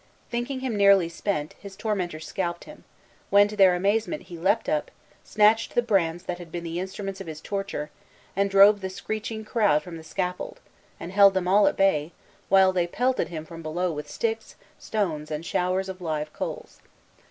Thinking him nearly spent, his tormentors scalped him, when, to their amazement, he leaped up, snatched the brands that had been the instruments of his torture, drove the screeching crowd from the scaffold, and held them all at bay, while they pelted him from below with sticks, stones, and showers of live coals.